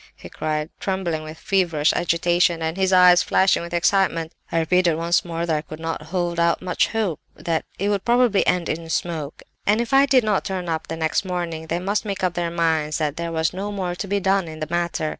he cried, trembling with feverish agitation, and his eyes flashing with excitement. I repeated once more that I could not hold out much hope—that it would probably end in smoke, and if I did not turn up next morning they must make up their minds that there was no more to be done in the matter.